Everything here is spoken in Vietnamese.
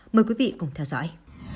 mời quý vị cùng theo dõi